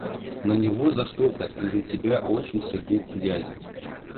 – На него за что-то из-за тебя очень сердит дядя.